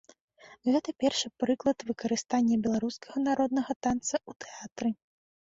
Гэта першы прыклад выкарыстання беларускага народнага танца ў тэатры.